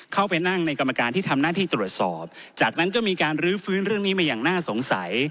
เข้าไปนั่งในกรรมการที่ทำหน้าที่ตรวจสอบจากนั้นก็มีการลื้อฟื้นเรื่องนี้มาอย่างน่าสงสัย